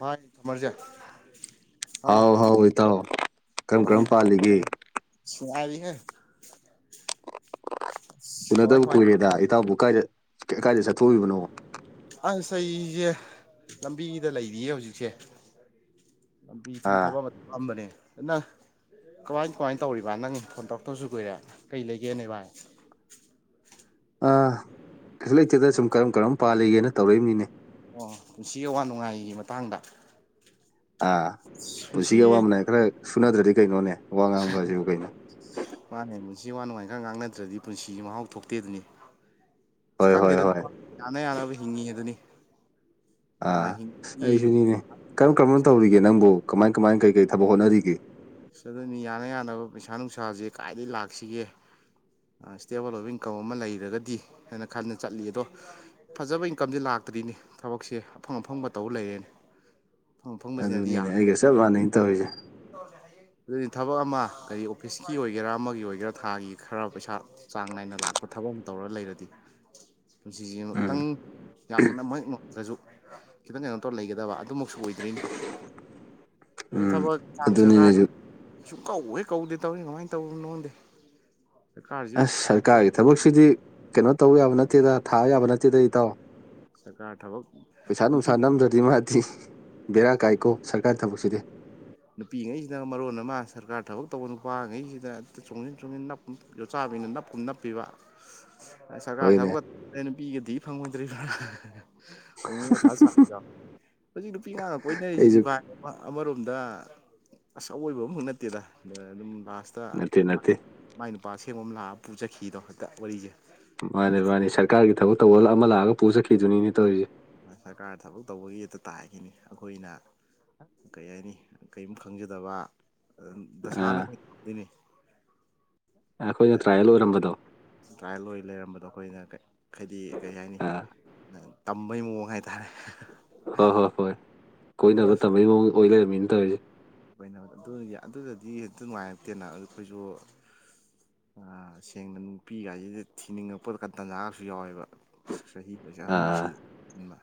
ꯃꯥꯅꯤ ꯊꯃꯔꯖꯤ ꯍꯥꯎ ꯍꯥꯎ ꯏꯇꯥꯎ ꯀꯔꯝ ꯀꯔꯝ ꯄꯥꯜꯂꯤꯒꯦ ꯅꯨꯡꯉꯥꯏꯔꯤ ꯍꯦ ꯎꯅꯗꯕ ꯀꯨꯏꯔꯦꯗ ꯏꯇꯥꯎꯕꯨ ꯀꯥꯏꯗ ꯀ ꯀꯥꯏꯗ ꯆꯠꯊꯣꯛꯎꯏꯕꯅꯣ ꯑꯁ ꯑꯩꯁꯦ ꯂꯝꯕꯤꯗ ꯂꯩꯔꯤꯌꯦ ꯍꯧꯖꯤꯛꯁꯦ ꯂꯝꯕꯤ ꯁꯨꯝ ꯑꯥ ꯊꯕꯛ ꯑꯃ ꯂꯝꯕꯅꯦ ꯑꯗꯨꯅ ꯀꯃꯥꯏ ꯀꯃꯥꯏꯅ ꯇꯧꯔꯤꯕꯥ ꯅꯪ ꯐꯣꯟ ꯇꯧꯔꯛꯇꯕꯁꯨ ꯀꯨꯏꯔꯦ ꯀꯩ ꯂꯩꯒꯦꯅꯦ ꯚꯥꯏ ꯑ ꯀꯩꯁꯨ ꯂꯩꯇꯦꯗ ꯁꯨꯝ ꯀꯔꯝ ꯀꯔꯝ ꯄꯥꯜꯂꯤꯒꯦꯅ ꯇꯧꯔꯛꯏꯕꯅꯤꯅꯦ ꯑꯣ ꯄꯨꯟꯁꯤꯒꯤ ꯑꯋꯥ ꯅꯨꯡꯉꯥꯏꯒꯤ ꯃꯇꯥꯡꯗ ꯑꯥ ꯄꯨꯟꯁꯤꯒꯤ ꯑꯋꯥ ꯃꯅꯥꯏ ꯈꯔ ꯁꯨꯅꯗ꯭ꯔꯗꯤ ꯀꯩꯅꯣꯅꯦ ꯋꯥ ꯉꯥꯡꯕ ꯍꯥꯏꯁꯤꯕꯨ ꯀꯩꯅꯣ ꯃꯥꯅꯦꯃꯤ ꯄꯨꯟꯁꯤ ꯑꯋꯥ ꯅꯨꯡꯉꯥꯏ ꯈꯔ ꯉꯥꯡꯅꯗ꯭ꯔꯗꯤ ꯄꯨꯟꯁꯤꯁꯤ ꯃꯍꯥꯎ ꯊꯣꯛꯇꯦꯗꯨꯅꯤ ꯍꯣꯏ ꯍꯣꯏ ꯈꯪꯗꯦꯗ ꯍꯣꯏ ꯌꯥꯅ ꯌꯥꯅꯕ ꯍꯤꯡꯉꯤ ꯑꯗꯨꯅꯤ ꯑ ꯍꯤꯡꯕꯒꯤ ꯑꯩꯁꯨꯅꯤꯅꯦ ꯀꯔꯝ ꯀꯔꯝꯕꯅ ꯇꯧꯔꯤꯒꯦ ꯅꯪꯕꯨ ꯀꯃꯥꯏ ꯀꯃꯥꯏ ꯀꯩ ꯀꯩ ꯊꯕꯛ ꯍꯣꯠꯅꯔꯤꯒꯦ ꯑꯁ ꯑꯗꯨꯅꯤ ꯌꯥꯅ ꯌꯥꯅꯕ ꯄꯩꯁꯥ ꯅꯨꯡꯁꯥꯁꯦ ꯀꯥꯏꯗꯩ ꯂꯥꯛꯁꯤꯒꯦ ꯑꯥ ꯁꯇꯦꯕꯜ ꯑꯣꯏꯕ ꯏꯟꯀꯝ ꯑꯃ ꯂꯩꯔꯒꯗꯤ ꯍꯥꯏꯅ ꯈꯟꯅ ꯆꯠꯂꯤ ꯑꯗꯣ ꯐꯖꯕ ꯏꯟꯀꯝꯁꯦ ꯂꯥꯛꯇ꯭ꯔꯤꯅꯦ ꯊꯕꯛꯁꯦ ꯑꯐꯪ ꯑꯐꯪꯕ ꯇꯧ ꯂꯩꯔꯦꯅꯦ ꯑꯐꯪ ꯑꯐꯪꯕꯁꯤꯅꯗꯤ ꯑꯗꯨꯅꯤꯅꯦ ꯌꯥꯗ꯭ꯔꯦ ꯑꯩꯒ ꯆꯞ ꯃꯥꯟꯅꯩ ꯇꯧꯔꯤꯁꯦ ꯗꯨꯏ ꯊꯕꯛ ꯑꯃ ꯀꯩ ꯑꯣꯐꯤꯁꯀꯤ ꯑꯣꯏꯒꯦꯔꯥ ꯑꯃꯒꯤ ꯑꯣꯏꯒꯦꯔꯥ ꯊꯥꯒꯤ ꯈꯔ ꯄꯩꯁꯥ ꯆꯥꯡ ꯅꯥꯏꯅ ꯂꯥꯛꯄ ꯊꯕꯛ ꯑꯝ ꯇꯧꯔ ꯂꯩꯔꯗꯤ ꯄꯨꯟꯁꯤꯁꯤ ꯃꯨꯛ ꯈꯤꯇꯪ ꯎꯝ ꯌꯥꯝꯃ ꯅ ꯃꯌꯦꯛꯁꯨ ꯈꯤꯇꯪ ꯀꯩꯅꯣ ꯇꯧꯔꯒ ꯂꯩꯒꯗꯕ ꯑꯗꯨꯃꯛꯁꯨ ꯑꯣꯏꯗ꯭ꯔꯤꯅꯦ ꯑꯗꯩ ꯎꯝ ꯊꯕꯛ ꯑꯗꯨꯅꯤꯅꯦ ꯁꯔꯀꯥꯔ ꯑꯩꯁꯨ ꯁꯨ ꯀꯧ ꯍꯦꯛ ꯀꯧꯗꯦ ꯇꯧꯏꯔꯤꯁꯦ ꯀꯃꯥꯏꯅ ꯇꯧꯔꯤꯕꯅꫭ ꯈꯪꯗꯦ ꯁꯔꯀꯥꯔꯁꯨ ꯑꯁ ꯀꯃꯥꯏꯅ ꯇꯧꯕꯅꯣ ꯁꯔꯀꯥꯔꯒꯤ ꯊꯕꯛꯁꯤꯗꯤ ꯀꯩꯅꯣ ꯇꯧꯕ ꯌꯥꯕ ꯅꯠꯇꯦꯗ ꯊꯥꯕ ꯌꯥꯕ ꯅꯠꯇꯦꯗ ꯏꯇꯥꯎ ꯁꯔꯀꯥꯔ ꯊꯕꯛ ꯄꯩꯁꯥ ꯅꯨꯄꯤ ꯅꯨꯡꯁꯥ ꯅꯝꯗ꯭ꯔꯗꯤ ꯃꯥꯗꯤ ꯕꯦꯔꯥ ꯀꯥꯏꯀꯣ ꯁꯔꯀꯥꯔ ꯊꯕꯛ ꯁꯤꯗꯤ ꯅꯨꯄꯤꯉꯩꯁꯤꯅ ꯃꯔꯣꯟ ꯑꯃ ꯁꯔꯀꯥꯔ ꯊꯕꯛ ꯇꯧꯕ ꯅꯨꯄꯥꯉꯩꯁꯤꯗ ꯇ ꯆꯣꯡꯁꯤꯟ ꯆꯣꯡꯁꯤꯟ ꯅꯞꯄ ꯌꯣꯠꯆꯥꯕꯤꯅ ꯅꯞꯀꯨꯝ ꯅꯞꯄꯤꯕ ꯁꯔꯀꯥꯔ ꯍꯣꯏꯅꯦ ꯊꯕꯛꯀ ꯑꯩ ꯅꯨꯄꯤꯒ ꯊꯨ ꯐꯪꯉꯣꯏꯗꫭꯔꯤꯕ꯭ꯔ ꯑꯃꯨꯛ ꯃꯊꯥ ꯁꯥꯕꯗꫭ ꯍꯧꯖꯤꯛ ꯅꯨꯄꯤ ꯑꯉꯥꯡꯒ ꯑꯩꯁꯨ ꯀꯣꯏꯅꯔꯤꯁꯤꯗꯤ ꯚꯥꯏ ꯑꯃꯔꯣꯝꯗ ꯑꯁ ꯑꯋꯣꯏꯕ ꯑꯃꯕꯧ ꯅꯠꯇꯦꯗ ꯗ ꯗꯨꯝ ꯂꯥꯛ ꯁꯇ ꯅꯠꯇꯦ ꯅꯠꯇꯦ ꯃꯥꯏ ꯅꯨꯄꯥ ꯑꯁꯦꯝꯕ ꯑꯃ ꯂꯥꯛꯑ ꯄꯨ ꯆꯠꯈꯤꯑꯗꯣ ꯍꯦꯛꯇ ꯋꯥꯔꯤꯁꯦ ꯃꯥꯅꯤ ꯃꯥꯅꯦ ꯁꯔꯀꯥꯔꯒꯤ ꯊꯕꯛ ꯇꯧꯕ ꯑꯃ ꯂꯥꯛꯑꯒ ꯄꯨ ꯆꯈꯤꯕꯗꯨꯅꯤꯅꯦ ꯇꯧꯔꯤꯁꯦ ꯁꯔꯀꯥꯔ ꯊꯕꯛ ꯇꯧꯕꯒꯤ ꯍꯦꯠꯇ ꯇꯥꯈꯤꯅꯤ ꯑꯩꯈꯣꯏꯅ ꯀꯩ ꯍꯥꯏꯅꯤ ꯀꯔꯤꯝ ꯈꯪꯖꯗꯕ ꯗꯁꯥꯅ ꯑꯥ ꯑꯈꫭꯏꯅ ꯗꯣꯏꯅꯦ ꯑꯩꯈꯣꯏꯅ ꯇ꯭ꯔꯥꯌꯦꯜ ꯑꯣꯏꯔꯝꯕꯗꯣ ꯇ꯭ꯔꯥꯌꯦꯜ ꯑꯣꯏ ꯂꯩꯔꯝꯕꯗꯣ ꯑꯩꯈꯣꯏꯅ ꯍꯥꯏꯗꯤ ꯀꯔꯤ ꯍꯥꯏꯅꯤ ꯑꯥ ꯇꯝꯕꯩ ꯃꯑꯣꯡ ꯍꯥꯏꯇꯥꯔꯦ ꯍꯣꯏ ꯍꯣꯏ ꯍꯣꯏ ꯑꯗꯨ ꯀꯣꯏꯅꯕ ꯇꯝꯕꯩ ꯃꯑꯣꯡ ꯑꯣꯏ ꯂꯩꯔꯝꯃꯤꯅꯤ ꯇꯧꯔꯤꯁꯦ ꯑꫭꯏ ꯑꯗꯨ ꯑꯗꯨꯗꯗꯤ ꯍꯦꯛꯇ ꯅꯨꯡꯉꯥꯏꯔꯛꯇꯦꯅ ꯑꯗꯨ ꯑꯩꯈꯣꯏꯁꯨ ꯑꯥ ꯁꯦꯡꯅ ꯅꯨꯄꯤꯒꯥꯏꯁꯤꯗ ꯊꯤꯅꯤꯡꯉꯛꯄꯗ ꯇꯟꯖꯥꯒꯁꯨ ꯌꯥꯎꯋꯦꯕ ꯆꯍꯤ ꯑꯣꯖꯥꯍꯟ ꯑꯣꯏꯁꯤꯜꯂꯦ [inaudible] ꯃ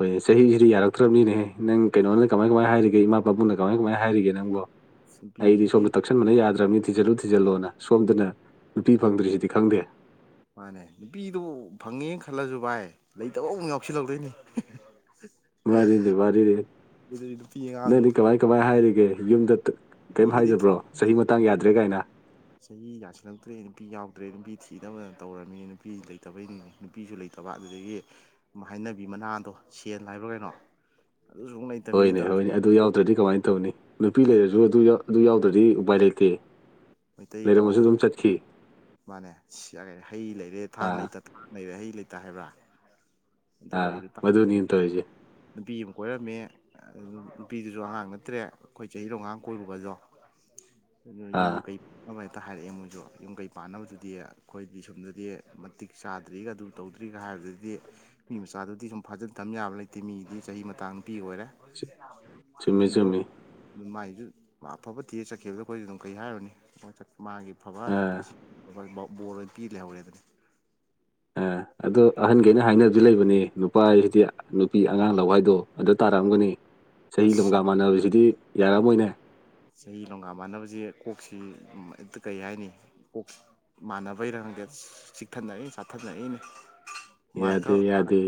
ꯍꯣꯏ ꯆꯍꯤꯁꯤꯗꯤ ꯌꯥꯔꯛꯇ꯭ꯔꯕꯅꯤꯅꯦꯍꯦꯅꯪ ꯀꯩꯅꯣꯅ ꯀꯃꯥꯏ ꯀꯃꯥꯏꯅ ꯍꯥꯏꯔꯤꯒꯦ ꯏꯃꯥ ꯄꯥꯕꯨꯡꯅ ꯀꯃꯥꯏ ꯀꯃꯥꯏꯅ ꯍꯥꯏꯔꯤꯒꯦ ꯅꯪꯕꯣ ꯑꯩꯗꯤ ꯅꯨꯄꯤꯒꯤꯗꯤ ꯁꯣꯝꯗ ꯇꯛꯁꯟꯕꯅ ꯌꯥꯗ꯭ꯔꯕꯅꯤ ꯊꯤꯖꯤꯜꯂꯨ ꯊꯤꯖꯤꯜꯂꯣꯅ ꯁꯣꯝꯗꯅ ꯅꯨꯄꯤ ꯐꯪꯗ꯭ꯔꯤꯁꯤꯗꯤ ꯈꯪꯗꯦ ꯃꯥꯅꯦ ꯅꯨꯄꯤ ꯏ ꯐꯉꯤ ꯈꯜꯂꯁꯨ ꯚꯥꯏ ꯂꯩꯇꯕ ꯑꯃꯨꯛ ꯌꯥꯎꯁꯤꯜꯍꯧꯗꯣꯏꯅꯦ ꯋꯥꯔꯤꯅꯦ ꯋꯥꯔꯤꯅꯤ ꯅꯨꯄꯤ ꯑꯉꯥꯡ ꯅꯪꯅꯦ ꯀꯃꯥꯏ ꯀꯃꯥꯏ ꯍꯥꯏꯔꯤꯒꯦ ꯌꯨꯝꯗ ꯀꯩꯝ ꯅꯨꯄꯤꯒꯤꯗꯤ ꯍꯥꯏꯗꯕ꯭ꯔꯣ ꯆꯍꯤ ꯃꯇꯥꯡ ꯌꯥꯗ꯭ꯔꯦ ꯀꯥꯏꯅ ꯆꯍꯤ ꯌꯥꯁꯤꯜꯂꯛꯇ꯭ꯔꯦ ꯅꯨꯄꯤ ꯌꯥꯎꯗ꯭ꯔꯦ ꯅꯨꯄꯤ ꯊꯤ ꯊꯤꯗꯕꯗꯅ ꯇꯧꯔꯃꯤꯅꯤ ꯅꯨꯄꯤ ꯂꯩꯇꯕꯩ ꯅꯨꯄꯤꯁꯨ ꯂꯩꯇꯕ ꯑꯗꯨꯗꯒꯤ ꯍꯩꯅꯕꯤ ꯃꯅꯥꯗꯣ ꯁꯦꯜ ꯍꯥꯏꯕ꯭ꯔꯥ ꯀꯩꯅꯣ ꯑꯗꯨꯁꯨ ꯑꯃꯨꯛ ꯂꯩꯇꯕꯅꯤꯅ ꯍꯣꯏꯅꯦ ꯇꯧꯔꯤꯁꯦ ꯍꯣꯏꯅꯦ ꯑꯗꯨ ꯌꯥꯎꯗ꯭ꯔꯗꯤ ꯀꯃꯥꯏꯅ ꯇꯧꯅꯤ ꯅꯨꯄꯤ ꯂꯩꯔꯁꯨ ꯑꯗꯨ ꯌꯥ ꯑꯗꯨꯗꯤ ꯎꯄꯥꯏ ꯂꯩꯇꯦ ꯃꯩꯇꯩ ꯂꯩꯔꯝꯃꯁꯨ ꯄꯥꯎꯔꯧ ꯑꯗꯨꯝ ꯆꯠꯈꯤ ꯃꯥꯅꯦ ꯁꯤ ꯀ ꯍꯩ ꯂꯩꯔꯦ ꯊꯥꯡ ꯑꯥ ꯂꯩꯇ ꯂꯩꯔꯦ ꯍꯩ ꯂꯩꯇꯦ ꯍꯥꯏꯕ꯭ꯔꯥ ꯑꯗꯨ ꯑꯥ ꯋꯥꯔꯤꯗꯨ ꯇ ꯃꯗꯨꯅꯤ ꯇꯧꯔꯤꯁꯦ ꯅꯨꯄꯤꯨ ꯀꯣꯏꯔꯝꯃꯤ ꯅꯨꯄꯤꯗꯨꯁꯨ ꯑꯉꯥꯡ ꯅꯠꯇ꯭ꯔꯦ ꯑꯩꯈꯣꯏ ꯆꯍꯤꯔꯣ ꯑꯒꯥꯡ ꯀꯣꯏꯕꯒꯁꯨ ꯌꯨꯝ ꯑꯥ ꯀꯩ ꯑꯝꯇ ꯍꯥꯏꯔꯛꯑꯦ ꯃꯣꯏꯁꯨ ꯌꯨꯝ ꯀꯩ ꯄꯥꯟꯅꯕꯗꯨꯗꯤ ꯑꯩꯈꯣꯏꯗꯤ ꯁꯣꯝꯗꯗꯤ ꯃꯇꯤꯛ ꯆꯥꯗ꯭ꯔꯤꯒ ꯑꯗꯨꯝ ꯇꯧꯗ꯭ꯔꯤꯒ ꯍꯥꯏꯔ ꯑꯗꯨꯗꯤ ꯃꯤ ꯃꯆꯥꯗꯨꯗꯤ ꯁꯨꯝ ꯐꯥꯖꯤꯟ ꯊꯝ ꯌꯥꯕ ꯂꯩꯇꯦ ꯃꯤꯗꯤ ꯆꯍꯤ ꯃꯇꯥꯡ ꯅꯨꯄꯤꯤ ꯑꯣꯏꯔꯦ ꯆꯨ- ꯆꯨꯝꯃꯤ ꯍꯤꯟꯗꯣ ꯆꯨꯝꯃꯤ ꯑꯗꯨꯝ ꯃꯒꯤꯁꯨ ꯑꯐꯕ ꯊꯤ ꯆꯠꯈꯤꯕꯗ ꯑꯩꯈꯣꯏꯁꯨ ꯑꯗꯨꯝ ꯀꯩ ꯍꯥꯏꯔꯨꯅꯤ ꯃꯥꯒꯤ ꯑꯥ ꯐꯕꯟꯁꯤ ꯕꯣꯔ ꯑꯣꯏꯅ ꯄꯤ ꯂꯩꯍꯧꯔꯦ ꯑꯗꯨꯅꯤ ꯑ ꯑꯗꯣ ꯑꯍꯟꯈꯩꯅ ꯍꯥꯏꯗꯤ ꯂꯩꯕꯅꯦ ꯅꯨꯄꯥꯁꯤꯗꯤ ꯅꯨꯄꯤ ꯑꯉꯥꯡ ꯂꯋꯥꯏꯗꯣ ꯑꯗꯨ ꯊꯥꯔꯛꯑꯝꯒꯅꯤ ꯆꯍꯤ ꯂꯣꯀ ꯑꯁ ꯃꯥꯟꯅꯁꯤꯗꯤ ꯌꯥꯔꯛꯑꯝꯃꯣꯏꯅꯦ ꯆꯍꯤ ꯅꯣꯡꯒ ꯃꯥꯟꯅꯕꯁꯤꯦ ꯀꯣꯛꯁꯤ ꯑꯝꯇ ꯀꯩ ꯍꯥꯏꯅꯤ ꯀꯣꯛ ꯃꯥꯟꯅꯕꯩꯔꯝꯒꯦ ꯆꯤꯛꯊꯅꯛꯏ ꯆꯥꯊꯅꯔꯛꯏꯅꯦ ꯃꯥꯅ ꯌꯥꯗꯦ ꯈꯔ ꯌꯥꯗꯦ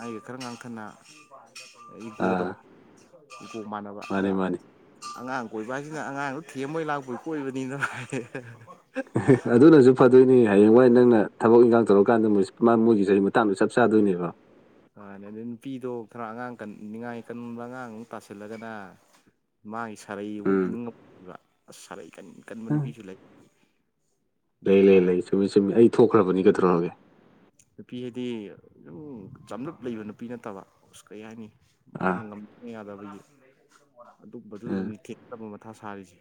ꯑꯩꯒꯤ ꯈꯔ ꯉꯥꯡꯊꯅ ꯏꯒꯣꯗꯣ ꯑꯥ ꯏꯒꯣ ꯃꯥꯟꯅꯕ ꯃꯥꯅꯤ ꯑ ꯃꯥꯅꯤ ꯑꯉꯥꯡ ꯀꯣꯏꯕ ꯍꯥꯏꯁꯤꯅ ꯑꯉꯥꯡꯗꯣ ꯊꯦꯝꯕꯣꯏ ꯂꯥꯛꯄꯒꯤ ꯀꯣꯏꯕꯅꯤꯅ ꯑꯗꯨꯅꯁꯨ ꯐꯗꯣꯏꯅꯤ ꯍꯌꯦꯡꯋꯥꯏ ꯅꯪꯅ ꯊꯕꯛ ꯏꯟꯈꯥꯡ ꯇꯧꯔꯀꯥꯟꯗ ꯃꯣꯏ ꯃꯣꯏꯒꯤ ꯆꯍꯤ ꯃꯇꯥꯡꯗꯨꯣ ꯆꯞ ꯆꯥꯗꯣꯏꯅꯦꯕ ꯍꯅꯦ ꯑꯗꯨꯗꯩ ꯅꯨꯄꯤꯗꯣ ꯈꯔ ꯑꯉꯥꯡ ꯀꯟ ꯉꯥꯏ ꯀꯟꯕ ꯑꯉꯥꯡ ꯑꯃꯨꯛ ꯇꯥꯁꯤꯜꯂꯒꯅ ꯃꯥꯒꯤ ꯁꯥꯔꯩ ꯑꯃꯨꯛ ꯎꯝ ꯏꯅꯤꯡꯉꯛꯕ ꯑꯁ ꯁꯥꯔꯩ ꯀꯟ ꯀꯟꯕ ꯅꯨꯄꯤꯁꯨ ꯂꯩ ꯅꯨꯄꯤ ꯂꯩ ꯂꯩ ꯍꯥꯏꯔ ꯂꯩ ꯆꯨꯝꯃꯤ ꯆꯨꯝꯃꯤ ꯑꯩ ꯊꯣꯛꯈ꯭ꯔꯕꯅꯤꯒꯊꯧꯔꯛꯑꯒꯦ ꯅꯨꯄꯤ ꯍꯥꯏꯗꯤ ꯑꯗꯨꯝ ꯆꯝꯂꯞ ꯂꯩꯕ ꯅꯨꯄꯤ ꯅꯠꯇꯕ ꯑꯁ ꯀꯩ ꯍꯥꯏꯅꯤ ꯑꯥ ꯃꯥꯅ ꯉꯝꯗ ꯌꯥꯗꯕꯒꯤ ꯎꯝ ꯑꯗꯨꯝꯕꯗꯨꯗꯅꯤ ꯊꯦꯛꯇꯕ ꯃꯇꯝ ꯑꯊꯥ ꯁꯥꯔꯤꯁꯦ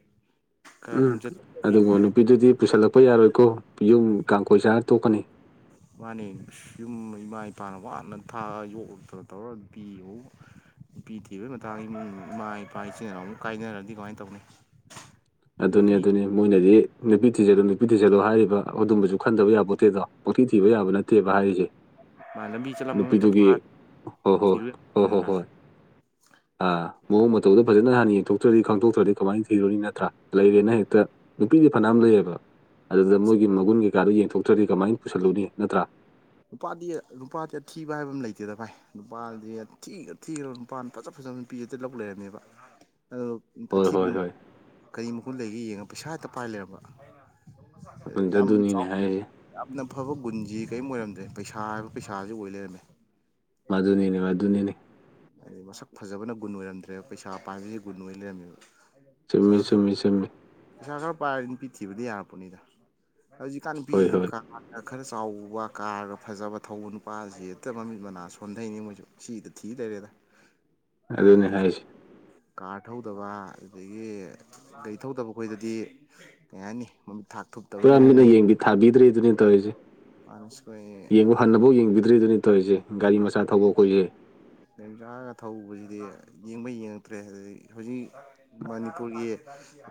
ꯈꯔ ꯎꯝ ꯏꯪꯆꯠꯇꯕꯤ ꯑꯗꯨꯕꯨ ꯅꯨꯄꯤꯗꯨꯗꯤ ꯄꯨꯁꯜꯂꯛꯄ ꯌꯥꯔꯣꯏꯀꯣ ꯌꯨꯝ ꯀꯥꯡꯈꯣꯏ ꯆꯥꯔ ꯇꯣꯛꯀꯅꯤ ꯃꯥꯅꯦ ꯁꯨꯝ ꯏꯃꯥ ꯏꯄꯥꯅ ꯋꯥꯅ ꯊꯥꯛꯑꯒ ꯌꯣꯛꯂꯗ꯭ꯔ ꯇꯧꯔꯒ ꯄꯤꯕ ꯏꯄꯤ ꯊꯤꯕꯒꯤ ꯃꯇꯥꯡ ꯏꯃꯨꯡ ꯏꯃꯥ ꯏꯄꯥ ꯏꯆꯤꯟ ꯏꯅꯥꯎ ꯑꯃꯨꯛ ꯀꯥꯏꯅꯔꯗꯤ ꯀꯃꯥꯏꯅ ꯇꯧꯅꯤ ꯑꯗꯨꯅꯤ ꯅꯨꯄꯤ ꯑꯗꯨꯅꯤ ꯃꯣꯏꯅꯗꯤ ꯅꯨꯄꯤ ꯊꯤꯖꯠꯂꯣ ꯅꯨꯄꯤ ꯊꯤꯖꯠꯂꯣ ꯍꯥꯏꯔꯤꯕ ꯑꯗꯨꯝꯕꯁꯨ ꯈꯟꯗꯕ ꯌꯥꯕꯣꯠꯇꯦꯗꯣ ꯄꯨꯣꯊꯤ ꯊꯤꯕ ꯌꯥꯕ ꯅꯠꯇꯦꯕ ꯍꯥꯏꯔꯤꯁꯦ ꯃꯥꯅ ꯕꯆ ꯂꯝꯕ ꯃꯠꯇ ꯅꯨꯄꯤꯗꯨꯒꯤ ꯐꯥ ꯍꯣ ꯍꯣ ꯊꯤꯔ꯭ꯔ ꯍꯣ ꯍꯣ ꯍꯣꯏ ꯑꯥ ꯃꯃ ꯊꯗ ꯐꯖꯅ ꯍꯥꯟꯅ ꯌꯦꯡꯊꯣꯛꯇ꯭ꯔꯗꯤ ꯈꯪꯗꯣꯛꯇ꯭ꯔꯗꯤ ꯀꯃꯥꯏꯅ ꯊꯤꯔꯨꯅꯤ ꯅꯠꯇ꯭ꯔꯥ ꯂꯩꯔꯦꯅ ꯍꯦꯛꯇ ꯑꯄꯤꯒꯤ ꯐꯅ ꯑꯃ ꯂꯩꯌꯦꯕ ꯑꯗꯨꯗ ꯃꯣꯏꯒꯤ ꯃꯒꯨꯟ ꯀꯩꯀꯥꯗꯨꯣ ꯌꯦꯡꯊꯣꯛꯇ꯭ꯔꯗꯤ ꯀꯃꯥꯏꯅ ꯄꯨꯁꯜꯂꯨꯅꯤ ꯅꯠꯇ꯭ꯔꯥ ꯅꯨꯄꯥꯗꯤ ꯅꯨꯄꯥꯗꯤ ꯑꯊꯤꯕ ꯍꯥꯏꯕ ꯑꯃ ꯂꯩꯇꯦꯗꯚꯥꯏ ꯅꯨꯄꯥꯗꯤꯤ ꯊꯤꯈ꯭ꯔꯕ ꯅꯨꯄꯥꯅ ꯐꯖ ꯐꯖ ꯅꯨꯄꯤ ꯑ ꯂꯧ ꯂꯩꯔꯝꯃꯦꯕ ꯑ ꯍꯣꯏ ꯍꯣꯏ ꯑꯊꯤꯕꯅꯣ ꯍꯣꯏ ꯀꯔꯤ ꯃꯈꯨꯜ ꯂꯩꯒꯦ ꯌꯦꯡꯉ ꯄꯩꯁꯥ ꯍꯦꯛꯇ ꯄꯥꯏ ꯂꯩꯔꯝꯕ ꯑꯩ ꯆ ꯑꯗꯨꯅꯤꯅꯦ ꯍꯥꯏ ꯑꯐꯕ ꯒꯨꯟꯁꯤ ꯀꯔꯤꯝ ꯑꯣꯏꯔꯝꯗ꯭ꯔꯦ ꯄꯩꯁꯥ ꯍꯥꯏꯕ ꯄꯩꯁꯥꯁꯤ ꯑꯣꯏ ꯂꯩꯔꯝꯃꯦ ꯃꯗꯨꯅꯤꯅꯦ ꯃꯗꯨꯅꯤꯅꯦ ꯍꯥꯏꯗꯤ ꯃꯁꯛ ꯐꯖꯕꯅ ꯒꯨ ꯑꯣꯏꯔꯝꯗ꯭ꯔꯦꯕ ꯄꯩꯁꯥ ꯄꯥꯏꯝꯁꯦ ꯒꯨꯟ ꯑꯣꯏꯅ ꯂꯩꯔꯝꯃꯦꯕ ꯆꯨꯝꯃꯤ ꯆꯨꯝꯃꯤ ꯆꯨꯝꯃꯤ ꯅꯨꯄꯥꯥꯏꯔꯗꯤ ꯅꯨꯄꯤ ꯊꯤꯕꯗꯤ ꯌꯥꯔꯛꯄꯅꯤꯗ ꯍꯧꯖꯤꯛꯀꯥꯟ ꯍꯣꯏ ꯅꯨꯄꯤꯁꯤꯁꯨ ꯍꯣꯏ ꯈ ꯈꯔ ꯆꯥꯎꯕ ꯀꯥꯔꯒ ꯐꯖꯕ ꯊꯧꯕ ꯅꯨꯄꯥꯁꯤ ꯍꯦꯛꯇ ꯃꯃꯤꯠ ꯃꯅꯥ ꯁꯣꯟꯊꯩꯅꯤ ꯃꯣꯏꯁꯨ ꯁꯤꯗ ꯊꯤ ꯂꯩꯔꯦꯗ ꯑꯗꯨꯅꯦ ꯍꯥꯏꯁꯦ ꯀꯥꯔ ꯊꯧꯗꯕ ꯑꯗꯨꯗꯒꯤ ꯒꯥꯩ ꯊꯧꯗꯕ ꯑꯩꯈꯣꯏꯗꯗꯤ ꯀꯩ ꯍꯥꯏꯅꯤ ꯃꯃꯤꯠ ꯊꯥꯛ ꯊꯨꯞꯇꯕꯩ ꯄꯨꯔꯥ ꯃꯤꯠꯅ ꯃꯑꯣꯡ ꯌꯦꯡꯕꯤ ꯊꯥꯕꯤꯗ꯭ꯔꯔꯤꯗꯨꯅꯤ ꯇꯧꯔꯤꯁꯦ ꯑꯩꯈꯣꯏ ꯌꯦꯡꯕ ꯍꯟꯅꯐꯥꯎ ꯌꯦꯡꯕꯤꯗ꯭ꯔꯔꯤꯗꯨꯅꯤ ꯇꯧ ꯑꯩꯈꯣꯏꯁꯦ ꯒꯥꯔꯤ ꯃꯆꯥ ꯊꯧꯕ ꯑꯩꯈꯣꯏꯁꯦ ꯌ ꯆꯥꯔꯒ ꯊꯧꯕꯁꯤꯗꯤ ꯌꯦꯡꯕ ꯌꯦꯡꯉꯛꯇ꯭ꯔꯦ ꯑꯗꯨꯗꯒꯤ ꯍꯧꯖꯤꯛ ꯃꯅꯤꯄꯨꯔꯒꯤ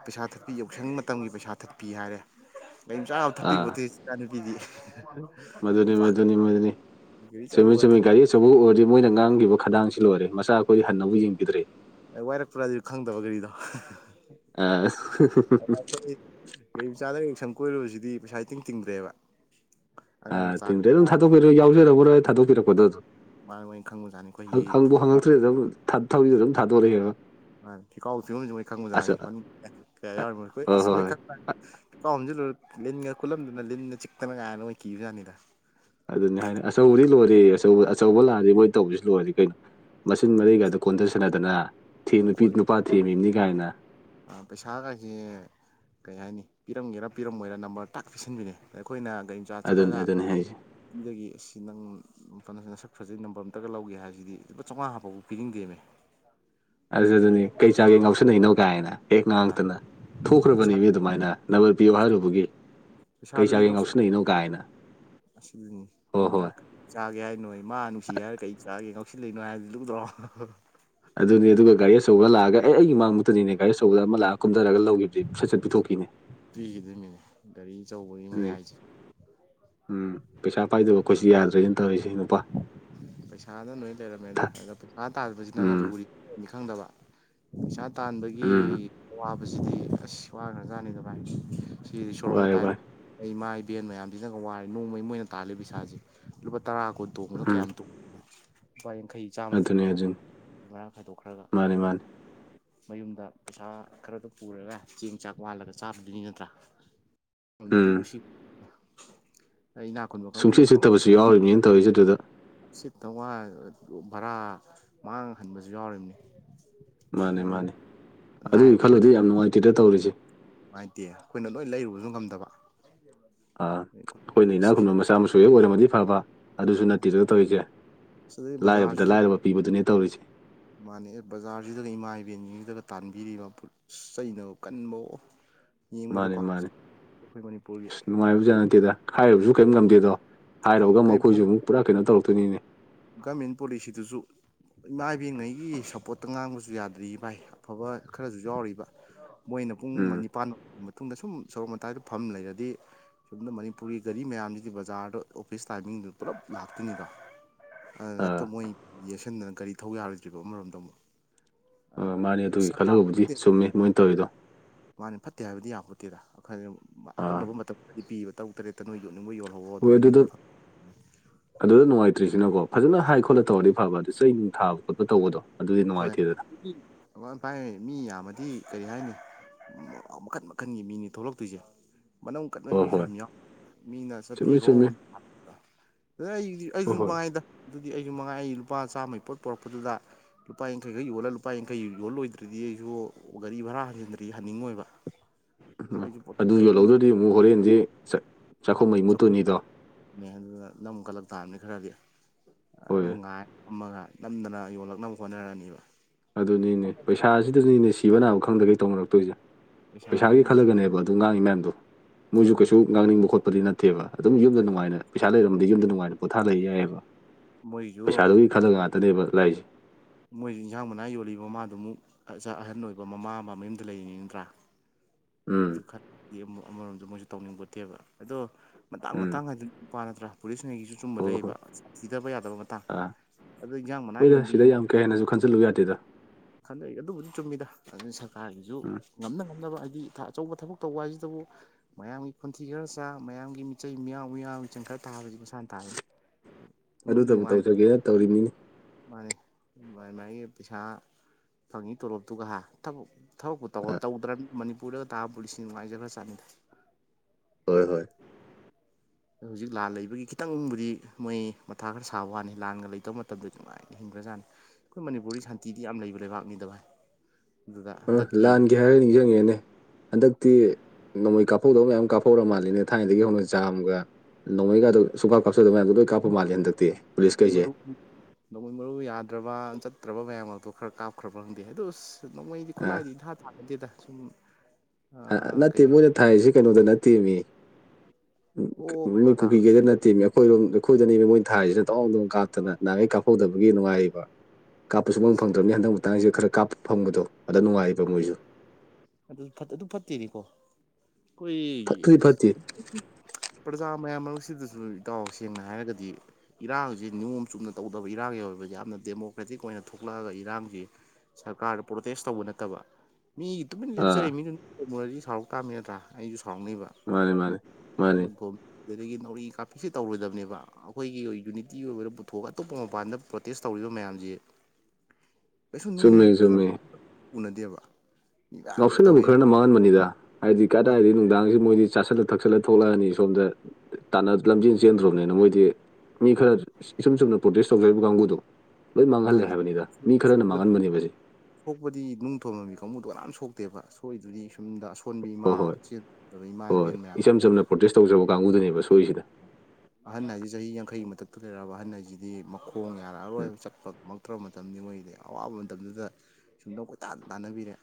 ꯄꯩꯁꯥ ꯊꯠꯄꯤ ꯌꯥꯎꯁꯪ ꯃꯇꯝꯒꯤ ꯄꯩꯁꯥ ꯊꯠꯄꯤ ꯍꯥꯏꯔꯦ ꯃ ꯆꯥꯕ ꯊꯛꯄꯤ ꯑꯥ ꯄꯣꯊꯣꯛ ꯏꯆꯥ ꯅꯨꯨꯄꯤꯗꯤ ꯃꯗꯨꯅꯤ ꯃꯗꯨꯅꯤ ꯃꯗꯨꯅꯤ ꯒꯥꯔꯤ ꯆꯨꯝꯃꯤ ꯆꯨꯝꯃꯤ ꯑꯆꯧꯕ ꯒꯥꯔꯤ ꯑꯆꯧꯕ ꯑꯣꯏꯔꯗꯤ ꯃꯣꯏꯅ ꯉꯥꯡꯈꯤꯕ ꯈꯗꯥꯡꯁꯤ ꯂꯣꯏꯔꯦ ꯃꯆꯥ ꯑꯩꯈꯣꯏꯗꯤ ꯍꯟꯅꯕꯨ ꯌꯦꯡꯕꯤꯗ꯭ꯔꯦ ꯑꯦ ꯋꯥꯏꯔꯛꯄ꯭ꯔꯥ ꯑꯗꯨ ꯈꯪꯗꯕ ꯒꯥꯔꯤꯗꯣ ꯑ ꯑ ꯑꯩꯈꯣꯏ ꯀꯩ ꯆꯥꯗ ꯁꯪ ꯀꯣꯏꯔꯨꯁꯤꯗꯤ ꯄꯩꯁꯥ ꯏꯇꯤꯡ ꯇꯤꯡꯗ꯭ꯔꯦꯕ ꯑ ꯑꯉꯥꯡ ꯃꯆꯥ ꯇꯤꯟꯗ꯭ꯔꯦ ꯑꯗꯨꯝ ꯊꯥꯗꯣꯛꯄꯤꯔ ꯌꯥꯎꯖꯔꯕꯔꯣꯏ ꯊꯥꯗꯣꯛꯄꯤꯔꯛꯄꯗꯣ ꯑꯗꯨꯝ ꯃꯥꯅ ꯃꯣꯏꯅ ꯈꯪꯕꯖꯥꯠꯅꯤ ꯑꯩꯈꯣꯏꯒꯤ ꯍꯪ ꯍꯪꯉꯛꯇ꯭ꯔꯤꯗ ꯑꯗꯨꯝ ꯊꯧꯔꯤꯗ ꯑꯗꯨꯝ ꯊꯥꯗꯣꯔꯛꯏꯦꯕ ꯃꯥ ꯊꯤꯀꯥꯎ ꯐꯤꯕꯝꯨ ꯃꯣꯏ ꯈꯪꯕꯖꯥꯠꯅꯤ ꯀꯌꯥ ꯍꯣꯏ ꯌꯥꯎꯔꯤꯕꯣꯏ ꯍꯣꯏ ꯁꯨꯡꯩ ꯍꯣꯏ ꯊꯤꯀꯥꯎ ꯑꯖꯤ ꯂꯣꯏ ꯂꯤꯟꯒ ꯈꯨꯠꯂꯝꯗꯨꯅ ꯂꯤꯟꯅ ꯆꯤꯛꯇꯅ ꯉꯥꯏꯅ ꯃꯣꯏ ꯀꯤꯕ ꯌꯥꯅꯤꯗ ꯑꯗꯨꯅꯤ ꯍꯥꯏꯅꯤ ꯑꯆꯧꯕꯗꯤ ꯂꯣꯏꯔꯦ ꯑꯆꯧꯕ ꯑꯆꯧꯕ ꯂꯥꯛꯑꯗꯤ ꯃꯣꯏ ꯇꯧꯕꯁꯨ ꯂꯣꯏꯔꯗꯤ ꯀꯩꯅꯣ ꯃꯆꯤꯟ ꯑꯆꯧꯕꯗꯤ ꯃꯔꯩ ꯀꯥꯏꯗ ꯀꯣꯟꯊ ꯁꯅꯗꯅ ꯊꯦꯝ ꯅꯨꯄꯤ ꯅꯨꯄꯥ ꯊꯦꯝꯃꯤꯕꯅꯤ ꯀꯥꯏꯅ ꯄꯩꯁꯥ ꯀꯁꯦ ꯀꯩ ꯍꯥꯏꯅꯤ ꯄꯤꯔꯝꯒꯦꯔꯥ ꯄꯤꯔꯝꯃꯣꯏꯔ ꯅꯝꯕꯔ ꯇꯥꯛ ꯄꯤꯁꯤꯟꯕꯤꯅꯦ ꯑꯩꯈꯣꯏꯅ ꯃꯆꯥ ꯑꯗꯨꯅꯤ ꯆꯠꯂꯒ ꯑꯗꯨꯅꯤ ꯍꯥꯏꯁꯦ ꯑꯗꯨꯗꯒꯤ ꯑꯁ ꯁꯤ ꯅꯪ ꯃꯇꯝꯁꯤꯅ ꯁꯛ ꯐꯖꯩ ꯅꯝꯕꯔ ꯑꯝꯇꯒ ꯂꯧꯒꯦ ꯍꯥꯏꯁꯤꯗꯤ ꯂꯨꯄꯥ ꯆꯥꯝꯉꯥ ꯍꯥꯞꯐꯥꯎꯐꯥꯎ ꯄꯤꯅꯤꯡꯡꯗꯦꯝꯃꯦ ꯑꯗꯨ ꯑꯗꯨꯅꯤ ꯀꯩ ꯆꯥꯛꯒꯦ ꯉꯥꯎꯁꯟꯅꯅꯣ ꯀꯥꯏꯅ ꯍꯦꯛ ꯉꯥꯡꯇꯅ ꯊꯣꯛꯈ꯭ꯔꯕꯅꯤ ꯄꯩꯁꯥ ꯃꯤ ꯑꯗꯨꯃꯥꯏꯅ ꯅꯕꯔ ꯄꯤꯌꯨ ꯍꯥꯏꯔꯨꯕꯒꯤ ꯀꯩ ꯆꯥꯒꯦ ꯉꯥꯎꯁꯤ ꯅꯩꯅꯣ ꯀꯥꯏꯅ ꯑꯁꯤꯗꯨꯅꯤ ꯍꯣꯏ ꯍꯣꯏ ꯑꯤꯟꯥꯛ ꯆꯥꯒꯦ ꯍꯥꯏꯅꯣꯏ ꯃꯥ ꯅꯨꯡꯁꯤ ꯍꯥꯏꯔ ꯀꯩ ꯆꯥꯒꯤꯦ ꯉꯧꯁꯤꯜ ꯂꯩꯅꯣ ꯍꯥꯏꯕꯗꯤ ꯂꯨꯗ꯭ꯔꯣ ꯑꯗꯨꯅꯦ ꯑꯗꯨꯒ ꯒꯥꯔꯤ ꯑꯆꯧꯕ ꯂꯥꯛꯑꯒ ꯑꯦ ꯑꯩꯒꯤ ꯃꯥꯡꯃꯨꯠꯇꯅꯤꯅꯦ ꯒꯥꯔꯤ ꯑꯆꯧꯕ ꯑꯃ ꯂꯥꯛ ꯊꯔꯒ ꯂꯧꯈꯤꯕꯗꯤ ꯁꯠꯆꯦꯠ ꯄꯤꯊꯣꯛꯈꯤꯅꯤ ꯄꯤꯈꯤꯗꯣꯏꯃꯤꯅꯦ ꯒꯥꯔꯤ ꯑꯆꯧꯕꯒꯤ ꯃꯌꯥꯏꯁꯦ ꯎꯝ ꯄꯩꯁꯥ ꯄꯥꯏꯗꯕ ꯈꯣꯠꯁꯤ ꯌꯥꯗ꯭ꯔꯦꯅ ꯇꯧꯔꯛꯁꯦ ꯅꯨꯄꯥ ꯄꯩꯁꯥꯅ ꯅꯣꯏ ꯂꯩꯔꯝꯃꯦꯗ ꯊ ꯑꯗ ꯄꯩꯁꯥ ꯇꯥꯔꯤꯕꯁꯤꯅꯒ ꯎꯝ ꯂꯨꯔꯤꯅꯤ ꯈꯪꯗꯕ ꯄꯩꯁꯥ ꯇꯥꯟꯕꯒꯤ ꯎꯝ ꯑꯋꯥꯕꯁꯤꯗꯤ ꯑꯁ ꯋꯥꯈ꯭ꯔꯖꯥꯠꯅꯤꯗ ꯚꯥꯏ ꯁꯤꯗꯤ ꯁꯣꯔꯣꯛ ꯋꯥꯏ ꯃꯇꯥꯏꯗ ꯋꯥꯏ ꯑꯩ ꯏꯃꯥ ꯏꯕꯦꯟ ꯃꯌꯥꯝꯁꯤꯅꯒ ꯋꯥꯔꯦ ꯅꯣꯡꯃꯩ ꯃꯣꯏꯅ ꯇꯥꯜꯂꯤꯕ ꯄꯩꯁꯥꯁꯦ ꯇꯔꯥ ꯀꯨꯟ ꯇꯣꯡꯕꯗ ꯎꯝ ꯀꯌꯥꯝ ꯇꯣꯛ ꯈꯩ ꯆꯥꯝꯃ ꯇꯨꯝ ꯑꯗꯨꯅꯤ ꯃꯉꯥꯏ ꯑꯗꯨꯅꯤ ꯉꯔꯥ ꯈꯥꯏꯗꯣꯛꯈ꯭ꯔꯒ ꯃꯥꯅꯤ ꯃꯥꯅꯤ ꯑꯗꯨ ꯃꯌꯨꯝꯗ ꯄꯩꯁꯥ ꯈꯔꯗꯣ ꯄꯨꯔꯒ ꯆꯦꯡ ꯆꯥꯛ ꯋꯥꯜꯂꯒ ꯆꯥꯕꯗꯨꯅꯤ ꯅꯠꯇ꯭ꯔꯥ ꯃꯗꯗꯤ ꯎꯝ ꯅꯨꯡꯁꯤ ꯏꯅꯥꯛ ꯈꯨꯟꯕ ꯀꯥꯡꯕꯨꯅ ꯁꯨꯡꯆꯠ ꯁꯤꯠꯇꯕꯁꯨ ꯌꯥꯎꯔꯤꯅꯦꯅ ꯇꯧꯔꯤꯁꯦ ꯑꯗꯨꯗ ꯁꯤ ꯇꯋꯥ ꯚꯔꯥ ꯃꯥꯡꯍꯟꯕꯁꯨ ꯌꯥꯎꯔꯤꯕꯅꯤ ꯃꯥꯅꯦ ꯃꯥꯅꯦ ꯑꯗꯨꯒꯤ ꯈꯜꯂꯗꯤ ꯌꯥꯝ ꯅꯨꯡꯉꯥꯏꯇꯦꯗ ꯇꯧꯔꯤꯁꯦ ꯃꯥꯏꯇꯦ ꯑꯩꯈꯣꯏꯅ ꯂꯣꯏ ꯂꯩꯔꯨꯕꯁꯨ ꯉꯝꯗꯕ ꯑ ꯑꯩꯈꯣꯏꯅ ꯏꯅꯥꯛ ꯈꯨꯟꯕ ꯃꯆꯥ ꯃꯁꯨ ꯍꯦꯛ ꯑꯣꯏꯔꯝꯃꯗꯤ ꯐꯕ ꯑꯗꯨꯁꯨ ꯃꯥꯅꯤ ꯅꯠꯇꯦꯗꯨꯗ ꯇꯧꯔꯤꯁꯦ ꯑꯁ ꯑꯗꯩ ꯂꯥꯏꯔꯕꯗ ꯕꯖꯥꯔꯁꯤꯗ ꯂꯥꯏꯔꯕ ꯄꯤꯕꯗꯨꯅꯦ ꯇꯧꯔꯤꯁꯦ ꯃꯥꯅꯦ ꯕꯖꯥꯔꯁꯤꯗꯒ ꯏꯃꯥ ꯏꯕꯦꯟꯁꯤꯡꯁꯤꯗꯒ ꯇꯥꯟꯕꯤꯔꯤꯕꯠ ꯆꯩꯅꯕ ꯀꯟꯕ ꯃꯥꯅꯤ ꯌꯦꯡꯕꯗꯀꯣ ꯃꯥꯅꯤ ꯃꯅꯤꯄꯨꯔꯒꯤ ꯑꯁ ꯅꯨꯡꯉꯥꯏꯕꯖꯥ ꯅꯠꯇꯦꯗ ꯍꯥꯏꯔꯤꯕꯁꯨ ꯀꯔꯤꯝ ꯉꯝꯗꯦꯗꯣ ꯍꯥꯏꯔꯒ ꯃꯈꯣꯏꯁꯨ ꯀꯔꯤꯒꯨꯝꯕ ꯑꯃꯨꯛ ꯄꯨꯔꯥ ꯀꯩꯅꯣ ꯇꯧꯔꯛꯇꯣꯏꯅꯤꯅꯦ ꯒꯃꯦꯟ ꯄꯣꯂꯤꯁꯤꯗꯨꯁꯨ ꯏꯃꯥ ꯏꯕꯦꯟꯉ ꯑꯩꯒꯤ ꯁꯞꯄꯣꯔꯠꯇ ꯉꯥꯡꯕꯁꯨ ꯌꯥꯗ꯭ꯔꯤ ꯚꯥꯏ ꯑꯐꯕ ꯈꯔꯁꯨ ꯌꯥꯎꯔꯤꯕ ꯃꯣꯏꯅ ꯄꯨꯡ ꯎꯝ ꯅꯤꯄꯥꯟ ꯃꯇꯨꯡꯗ ꯁꯨꯝ ꯁꯣꯔꯣꯛ ꯃꯇꯥꯏꯗ ꯐꯝ ꯂꯩꯔꯗꯤ ꯁꯣꯨꯝꯗ ꯃꯅꯤꯄꯨꯔꯒꯤ ꯒꯥꯔꯤ ꯃꯌꯥꯝꯁꯤꯗꯤ ꯕꯖꯥꯔꯗ ꯑꯣꯐꯤꯁ ꯇꯥꯏꯃꯤꯡ ꯄꯨꯂꯞ ꯂꯥꯛꯇꯣꯏꯅꯤꯗ ꯑꯗꯨ ꯅꯠꯇ ꯑꯥ ꯃꯣꯏ ꯌꯦꯛꯁꯤꯟꯗꯅ ꯀꯔꯤ ꯊꯧ ꯌꯥꯔꯣꯏꯗ꯭ꯔꯤꯕꯣ ꯑꯃꯔꯣꯝꯗ ꯑꯃꯣ ꯑ ꯃꯥꯅꯦ ꯑꯗꯨꯒꯤ ꯈꯜꯂꯒꯕꯨꯗꯤ ꯆꯨꯝꯃꯦ ꯃꯣꯏꯅ ꯇꯧꯔꯤꯗꯣ ꯅꯠꯇꯦ ꯍꯥꯏꯕꯗꯤ ꯌꯥꯄꯣꯠꯇꯦꯗꯈꯣꯏ ꯑꯥ ꯑꯀꯛꯅꯕ ꯃꯇꯝꯗꯤ ꯄꯤꯕ ꯇꯔꯨ ꯇꯔꯦꯠꯇ ꯅꯣꯏꯒꯤ ꯍ ꯑꯗꯨ ꯑꯗꯨ ꯑꯗꯨ ꯅꯣꯋꯥꯥꯏꯇ꯭ꯔꯤꯁꯤꯅ ꯀꯣꯄ ꯐꯖꯅ ꯍꯥꯏ ꯈꯣꯠꯂ ꯇꯧꯔꯗꯤ ꯐꯕ ꯑꯗꯨ ꯆꯩꯅꯨꯡ ꯊꯥꯕ ꯈꯣꯠꯄ ꯇꯧꯕꯗꯣ ꯑꯗꯨꯗꯤ ꯍꯣꯏ ꯅꯨꯡꯉꯥꯏꯇꯦꯗꯅ ꯄꯥꯏ ꯃꯤ ꯌꯥꯝꯃꯗꯤ ꯀꯔꯤ ꯍꯥꯏꯅꯤ ꯃꯈꯟ ꯃꯈꯟꯒꯤ ꯃꯤꯅꯤ ꯊꯣꯛꯂꯛꯇꯣꯏꯁꯦ ꯃꯅꯝ ꯀꯠꯅ ꯍꯣꯏ ꯃꯤꯁꯨ ꯍꯣꯏ ꯌꯥꯝ ꯌꯥꯎ ꯃꯤꯅ ꯆꯨꯝꯃꯤ ꯆꯨꯝꯃꯤ ꯆꯠꯄꯤꯈ꯭ꯔꯣꯅ ꯑꯗꯨꯗ ꯑꯩꯒꯤꯗꯤ ꯍꯣꯏ ꯑꯩꯁꯨ ꯍꯣꯏ ꯃꯉꯥꯏꯗ ꯑꯗꯨꯗꯤ ꯑꯩꯁꯨ ꯃꯉꯥꯏ ꯑꯩ ꯂꯨꯄꯥ ꯆꯥꯝꯃꯩ ꯄꯣꯠ ꯄꯣꯔꯛꯄꯗꯨꯗ ꯂꯨꯄꯥ ꯌꯥꯡꯈꯩꯈꯩ ꯌꯣꯜꯂ ꯂꯨꯄꯥ ꯌꯥꯡꯈꯩ ꯌꯣꯜꯂꯣꯏꯗ꯭ꯔꯗꯤ ꯑꯩꯁꯨ ꯒꯥꯔꯤ ꯚꯔꯥ ꯍꯟꯖꯤꯟꯗ꯭ꯔꯗꯤ ꯍꯟꯅꯤꯡꯉꯣꯏꯕ ꯎꯝ ꯑꯩꯁꯨ ꯄꯣꯠꯇꯨ ꯑꯗꯨꯁꯨꯣ ꯌꯣꯟꯕ ꯂꯣꯏ ꯂꯧꯗ꯭ꯔꯗꯤ ꯑꯃꯨꯛ ꯍꯣꯔꯦꯟꯗꯤ ꯆꯥꯛꯈꯨꯝꯍꯩ ꯃꯨꯠꯇꯨꯅꯤꯗꯣ ꯅꯝꯨ ꯀꯠꯂꯛ ꯇꯥꯕꯅꯤ ꯈꯔꯗꯤ ꯍꯣꯏ ꯑꯗꯨꯝ ꯉꯥꯏ ꯑꯃꯒ ꯅꯝꯗꯅ ꯌꯣꯜꯂꯛꯅꯕ ꯍꯣꯠꯅꯔꯛꯑꯅꯤꯕ ꯑꯗꯨꯅꯤꯅꯦ ꯄꯩꯁꯥꯁꯤꯗꯅꯤꯅꯦ ꯁꯤꯕ ꯅꯥꯕ ꯈꯪꯗ ꯀꯩ ꯇꯧꯅꯔꯛꯇꯣꯏꯁꯦ ꯄꯩꯁꯥꯒꯤ ꯄꯩꯁꯥꯁꯤꯅ ꯈꯜꯂꯒꯅꯦꯕ ꯑꯗꯨ ꯉꯥꯡꯉꯤ ꯃꯌꯥꯝꯗꯣ ꯃꯣꯏꯁꯨ ꯃꯥꯅꯤ ꯀꯩꯁꯨ ꯉꯥꯡꯅꯤꯡꯕ ꯈꯣꯠꯄꯗꯤ ꯅꯠꯇꯦꯕ ꯑꯗꯨꯝ ꯌꯨꯝꯗ ꯅꯨꯡꯉꯥꯏꯅ ꯄꯩꯁꯥ ꯂꯩꯔꯝꯃꯗꯤ ꯌꯨꯝꯗ ꯅꯨꯡꯉꯥꯏꯅ ꯄꯣꯊꯥꯂ ꯌꯥꯏꯑꯕ ꯃꯣꯏꯁꯨ ꯄꯩꯁꯥꯗꯨꯒꯤ ꯈꯜꯂ ꯉꯥꯛꯇꯅꯦꯕ ꯂꯥꯏꯁꯦ ꯃꯣꯏꯁꯨ ꯏꯟꯁꯥꯡ ꯃꯅꯥ ꯌꯣꯜꯂꯤꯕ ꯃꯃꯥꯗꯨꯃꯨꯛ ꯑꯆꯥ ꯑꯍꯟ ꯑꯣꯏꯕ ꯃꯃꯥ ꯑꯃ ꯃꯌꯨꯝꯗ ꯂꯩꯔꯤꯉ ꯅꯠꯇ꯭ꯔꯥ [inaudible] ꯑꯗꯨ ꯈꯤ ꯑꯃ ꯑꯃꯔꯣꯝꯗ ꯃꯣꯏꯁꯨ ꯇꯧꯅꯤꯡ ꯈꯣꯠꯇꯦꯕ ꯑꯗꯣ ꯃꯇꯥꯡ ꯎꯝ ꯃꯇꯥꯡ ꯍꯥꯏꯗꯤ ꯅꯨꯄꯥ ꯅꯠꯇ꯭ꯔꯥ ꯄꯨꯂꯤꯁꯉꯩꯒꯤꯁꯨ ꯆꯨꯝꯕ ꯍꯣꯏ ꯂꯩꯌꯦꯕ ꯍꯣꯏ ꯊꯤꯗꯕ ꯌꯥꯗꯕ ꯃꯇꯥꯡ ꯑꯥ ꯑꯗꯣ ꯏꯟꯖꯥꯡ ꯃꯅꯥ ꯍꯣꯏꯗ ꯌꯣꯟꯕꯤ ꯁꯤꯗ ꯌꯥꯝ ꯀꯩ ꯍꯦꯟꯅꯁꯨ ꯈꯟꯖꯤꯜꯂꯨ ꯌꯥꯗꯦꯗ ꯈꯟꯗꯩ ꯑꯗꯨꯕꯨꯗꯤ ꯆꯨꯝꯃꯤꯗ ꯑꯗꯨꯅ ꯁꯔꯀꯥꯔꯒꯤꯁꯨ ꯎꯝ ꯉꯝꯅ ꯉꯝꯅꯕ ꯍꯥꯏ ꯑꯆꯧꯕ ꯊꯕꯛ ꯇꯧꯕ ꯍꯥꯏꯁꯤꯗꯕꯨ ꯃꯌꯥꯝꯒꯤ ꯈꯣꯟꯊꯤ ꯈꯔ ꯆꯥ ꯃꯌꯥꯝꯒꯤ ꯃꯤꯆ ꯃꯤꯌꯥꯝ ꯃꯤꯌꯥꯝꯒꯤ ꯆꯪꯈꯠ ꯑ ꯇꯥꯕꯁꯤ ꯃꯁꯥꯅ ꯇꯥꯕꯅꯤ ꯑꯗꯨꯝ ꯑꯗꯨꯇꯕꯨ ꯅꯨꯡꯉꯥꯏ ꯇꯧꯖꯒꯦꯅ ꯇꯧꯔꯤꯕꯅꯤꯅꯦ ꯃꯥꯅꯤ ꯥꯏ ꯃꯥꯒꯤ ꯄꯩꯁꯥ ꯐꯪꯉꯤ ꯇꯣꯂꯣꯞꯇꯨꯒꯥ ꯊꯕꯛ ꯊꯕꯛꯄꯨ ꯑꯥ ꯇꯧꯗ꯭ꯔ ꯃꯅꯤꯄꯨꯔꯗꯒ ꯇꯥꯕ ꯄꯨꯂꯤꯁꯁꯤꯡ ꯅꯨꯡꯉꯥꯏꯖꯈ꯭ꯔꯥ ꯆꯠꯅꯤꯗ ꯍꯣꯏ ꯍꯣꯏ ꯍꯧꯖꯤꯛ ꯂꯥꯟ ꯂꯩꯕꯒꯤ ꯈꯤꯇꯪꯕꯨꯗꯤ ꯃꯣꯏ ꯃꯊꯥ ꯈꯔ ꯁꯥꯕ ꯋꯥꯅꯤ ꯂꯥꯟꯒ ꯂꯩꯇꯧꯕ ꯃꯇꯝꯗꯗꯤ ꯀꯃꯥꯏꯅ ꯍꯤꯡꯕ꯭ꯔꯥꯠ ꯑꯩꯈꯣꯏ ꯃꯅꯤꯄꯨꯔꯔꯤ ꯁꯥꯟꯇꯤꯗꯤ ꯌꯥꯝ ꯂꯩꯕ ꯂꯩꯕꯥꯛꯅꯤꯗꯚ ꯑ ꯂꯥꯟꯒꯦ ꯍꯥꯏꯔ ꯅꯤꯡꯁꯤꯡꯉꯦꯅꯦ ꯍꯟꯗꯛꯇꯤ ꯅꯣꯡꯃꯩ ꯀꯥꯞꯍꯧꯗꯕ ꯃꯌꯥꯝ ꯀꯥꯞꯍꯧꯔ ꯃꯥꯜꯂꯤꯅꯦ ꯊꯥꯏꯅꯗꯒꯤ ꯍꯧꯅ ꯆꯥꯝꯒ ꯅꯣꯡꯃꯩꯒꯗ ꯁꯨꯡꯀꯥꯞ ꯀꯥꯞꯆꯗꯕ ꯃꯌꯥꯝꯗꯣ ꯂꯣꯏ ꯀꯥꯞꯄ ꯃꯥꯂꯦ ꯍꯟꯗꯛꯇꯤ ꯄꯨꯂꯤꯁꯈꯩꯁꯦ ꯃꯔꯨ ꯅꯣꯡꯃꯩ ꯃꯔꯨ ꯌꯥꯗ꯭ꯔꯕ ꯆꯠꯇ꯭ꯔꯕ ꯃꯌꯥꯝꯃꯛꯇꯣ ꯈꯔ ꯀꯥꯞꯈ꯭ꯔꯕ ꯈꯪꯗꯦ ꯑꯗꯨꯗꯣ ꯑꯁ ꯅꯣꯡꯃꯩꯗꯤ ꯑ ꯈꯨꯠꯂꯥꯏꯗꯤ ꯏꯟꯊꯥ ꯊꯥꯔꯗꯦꯗ ꯑꯗꯨꯨꯝ ꯅꯠꯇꯦ ꯃꯣꯏꯅ ꯊꯥꯏꯁꯤ ꯀꯩꯅꯣꯗ ꯅꯠꯇꯦ ꯃꯤ ꯑꯣ ꯎ ꯃꯣꯏ ꯀꯩꯅꯣꯗ ꯀꯨꯀꯤꯈꯩꯗ ꯅꯠꯇꯦꯅꯦ ꯑꯩꯈꯣꯏꯔꯣꯝ ꯑꯩꯈꯣꯏꯗꯅꯦ ꯃ ꯃꯣꯏ ꯊꯥꯏꯁꯤꯅ ꯇꯧꯉ ꯇꯧꯉ ꯀꯥꯞꯇꯅ ꯅꯍꯥꯟꯈꯩ ꯀꯥꯞꯍꯧꯗꯕꯒꯤ ꯅꯨꯡꯉꯥꯏꯕ ꯀꯥꯞꯄꯁꯨ ꯃ ꯑꯁ ꯐꯪꯗ꯭ꯔꯕꯅꯤ ꯍꯟꯗꯛ ꯃꯇꯥꯡꯁꯤꯗ ꯈꯔ ꯀꯥꯞꯄ ꯐꯪꯕꯗꯣ ꯑꯗ ꯅꯨꯡꯉꯥꯏꯌꯦꯕ ꯃꯣꯏꯁꯨ ꯑꯗꯨ ꯑꯗꯨ ꯐꯠꯇꯦꯅꯤꯀꯣ ꯐꯠꯄꯨꯗꯤ ꯐꯠꯇꯦ ꯑꯩꯈꯣꯏ ꯄ꯭ꯔꯖꯥ ꯃꯌꯥꯝ ꯃꯔꯛꯁꯤꯗꯁꯨ ꯏꯇꯥꯎ ꯁꯦꯡꯅ ꯍꯥꯏꯔꯒꯗꯤ ꯏꯔꯥꯡꯁꯤꯦ ꯅꯤꯌꯣꯝ ꯆꯨꯝꯅ ꯇꯧꯗꯕ ꯏꯔꯥꯡꯒꯤ ꯑꯣꯏ ꯑꯣꯏ ꯌꯥꯝꯅ ꯗꯦꯃꯣꯀ꯭ꯔꯦꯇꯤꯛ ꯑꯣꯏꯅ ꯊꯣꯛꯂꯛꯑꯒ ꯏꯔꯥꯡꯒꯤ ꯁꯔꯀꯥꯔꯗ ꯄ꯭ꯔꯣꯇꯦꯁ ꯇꯧꯕ ꯅꯠꯇꯕ ꯃꯤ ꯇꯨꯃꯤ ꯑꯥ ꯂꯞꯆꯔꯔꯤ ꯃꯤꯗꯨꯅꯇꯦꯛꯅꯣꯂꯣꯖꯤ ꯁꯥꯎꯔꯛ ꯇꯥꯃꯤ ꯅ꯭ꯔ ꯑꯩꯁꯨ ꯁꯥꯎꯅꯤꯕꯣ ꯃꯥꯅꯤ ꯃꯥꯅꯤ ꯃꯥꯅꯤ ꯑꯗꯨꯗꯒꯤ ꯎꯔꯤ ꯀꯥꯞꯄꯤꯁ ꯇꯧꯔꯣꯏꯗꯕꯅꯦꯕ ꯑꯩꯈꯣꯏꯒꯤ ꯌꯨꯅꯤꯇꯤ ꯑꯣꯏꯕꯗ ꯄꯨꯊꯣꯛꯑꯒ ꯑꯇꯣꯞꯄ ꯃꯄꯥꯟꯗ ꯄ꯭ꯔꯣꯇꯦꯁ ꯇꯧꯔꯤꯕ ꯑꯗꯨ ꯃꯌꯥꯝꯁꯦ [inaudible] ꯀꯩꯁꯨ ꯅꯨꯡ ꯆꯨꯝꯃꯦ ꯆꯨꯝꯃꯦ ꯎꯅꯗꯦꯕ ꯃꯤ ꯃꯌꯥꯝ ꯉꯥꯎꯁꯟꯅꯕ ꯇꯧꯋꯦ ꯈꯔꯅ ꯃꯥꯡꯍꯟꯕꯅꯤꯗ ꯍꯥꯏꯗꯤ ꯀꯗꯥꯏꯗ ꯅꯨꯡꯗꯥꯡꯁꯤ ꯃꯣꯏꯗꯤ ꯆꯥꯁꯤꯜꯂꯛ ꯊꯛꯆꯜꯂ ꯊꯣꯛꯂꯛꯑꯅꯤ ꯁꯣꯝꯗ ꯂꯝꯖꯦꯟ ꯆꯦꯟꯗ꯭ꯔꯕꯅꯤꯅ ꯃꯣꯏꯗꯤ ꯃꯤ ꯈꯔ ꯏꯁꯆꯨꯝ ꯆꯨꯝꯅ ꯄ꯭ꯔꯣꯇꯦꯁ ꯇꯧꯖꯔꯤꯕ ꯀꯥꯡꯕꯨꯗꯣ ꯂꯣꯏ ꯃꯥꯡꯍꯜꯂꯦ ꯃꯥꯅꯦ ꯍꯥꯏꯕꯅꯤꯗ ꯃꯤ ꯈꯔꯅ ꯃꯥꯡꯍꯟꯕꯅꯦꯕ ꯁꯤ ꯁꯣꯛꯄꯗꯤ ꯅꯨꯡ ꯊꯣꯟꯂꯝꯝꯃꯤ ꯈꯃꯨꯗꯣ ꯀꯅꯥꯝ ꯁ ꯊꯣꯛꯇꯦꯕ ꯁꯣꯏꯗꯗꯤ ꯁꯨꯝꯗ ꯍꯣꯏ ꯍꯣꯏ ꯍꯣꯏ ꯃꯌꯥꯝꯗꯣ ꯏꯆꯝ ꯆꯝꯅ ꯄ꯭ꯔꯣꯇꯦꯁ ꯇꯧꯖꯕ ꯀꯥꯡꯕꯨꯗꯨꯅꯦꯕ ꯁꯣꯏꯁꯤꯗ ꯑꯍꯟ ꯍꯥꯏꯁꯤ ꯆꯍꯤ ꯌꯥꯡꯈꯩꯒꯤ ꯃꯊꯛꯇ ꯂꯩꯔꯛꯑꯕ ꯑꯍꯟ ꯍꯥꯏꯁꯤꯗꯤ ꯃꯈꯣꯡ ꯎꯝ ꯌꯥꯔꯛꯑꯔꯣꯏ ꯆꯠꯄ ꯉꯛꯇ꯭ꯔꯕ ꯃꯇꯝ ꯃꯣꯏꯒꯤꯗꯤ ꯑꯋꯥꯕ ꯃꯇꯝꯗꯨꯗ ꯁꯨꯝꯗ ꯀꯣꯏꯊꯥꯟ ꯇꯥꯟꯅꯕꯤꯔꯦ